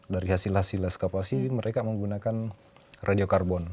dari hasil hasil eskapasi mereka menggunakan radiokarbon